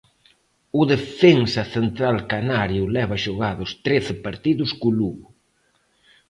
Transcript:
O defensa central canario leva xogados trece partidos co Lugo.